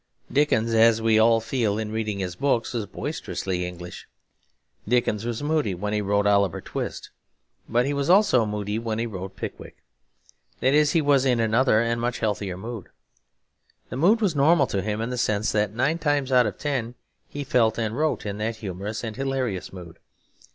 Dickens, as we all feel in reading his books, was boisterously English. Dickens was moody when he wrote Oliver Twist; but he was also moody when he wrote Pickwick. That is, he was in another and much healthier mood. The mood was normal to him in the sense that nine times out of ten he felt and wrote in that humorous and hilarious mood.